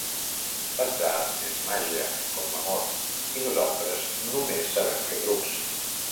L'atzar és màgia, com l'amor, i nosaltres només sabem fer trucs.